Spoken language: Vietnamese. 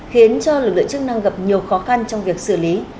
khiến cho lực lượng chức năng gặp nhiều khó khăn trong việc xử lý